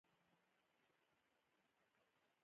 غږونه زموږ د فکرونو رنگ بدلوي.